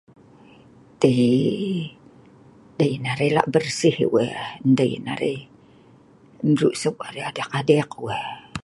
Tehe, dei narai lak bersih (pelino) wea. Dei narai mru' seu' arai adeek-adeek wea